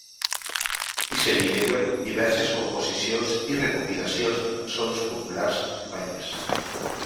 I se li deuen diverses composicions i recopilacions de cançons populars alemanyes.